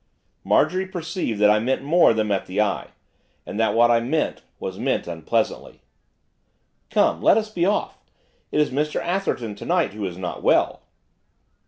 But Marjorie perceived that I meant more than met the eye, and that what I meant was meant unpleasantly. 'Come, let us be off. It is Mr Atherton to night who is not well.